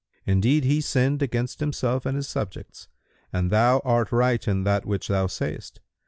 Indeed he sinned against himself and his subjects and thou art right in that which thou sayest.